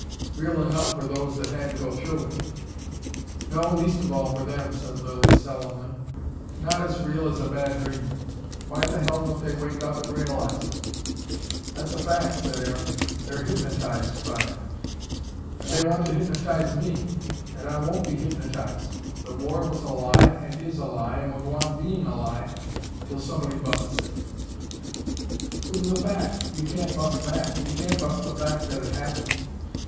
"Real enough for those that had to go through it." "No, least of all for them," said Lilly sullenly. "Not as real as a bad dream. Why the hell don't they wake up and realise it!" "That's a fact," said Aaron. "They're hypnotised by it." "And they want to hypnotise me. And I won't be hypnotised. The war was a lie and is a lie and will go on being a lie till somebody busts it." "It was a fact you can't bust that. You can't bust the fact that it happened."